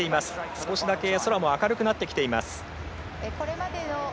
少しだけ空も明るくなってきています。